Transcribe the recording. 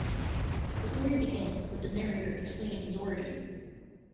The story begins, with the narrator explaining his origins.